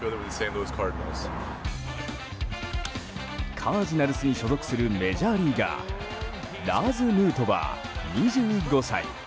カージナルスに所属するメジャーリーガーラーズ・ヌートバー、２５歳。